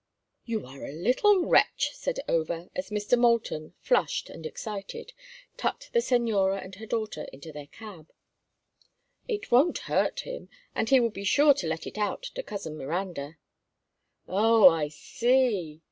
"You are a little wretch," said Over as Mr. Moulton, flushed and excited, tucked the señora and her daughter into their cab. "It won't hurt him, and he will be sure to let it out to Cousin Miranda." "Oh, I see!"